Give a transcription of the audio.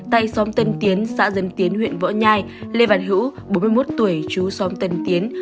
tại xóm tân tiến xã dân tiến huyện võ nhai lê văn hữu bốn mươi một tuổi chú xóm tân tiến